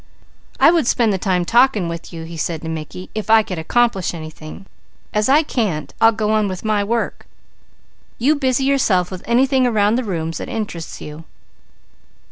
"I would spend the time talking with you," he said to Mickey, "if I could accomplish anything; as I can't, I'll go on with my work. You busy yourself with anything around the rooms that interests you."